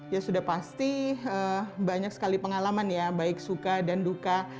ya sudah pasti banyak sekali pengalaman ya baik suka dan duka